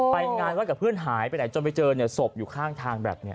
ไปงานวัดกับเพื่อนหายไปไหนจนไปเจอศพอยู่ข้างทางแบบนี้